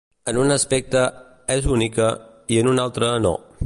En un aspecte és única, i en un altre, no.